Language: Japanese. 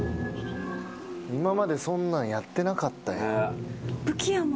今までそんなんやってなかったやん。